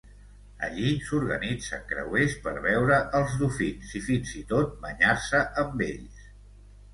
Allí, s'organitzen creuers per veure els dofins i fins i tot banyar-se amb ells.